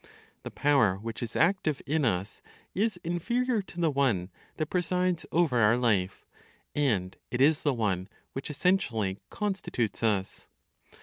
The power which is active in us is inferior to the one that presides over our life, and it is the one which essentially constitutes us.